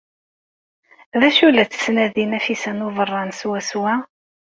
D acu ay la tettnadi Nafisa n Ubeṛṛan swaswa?